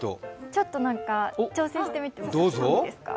ちょっと挑戦してみてもいいですか？